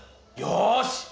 よし！